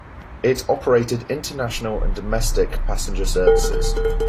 It operated international and domestic passenger services.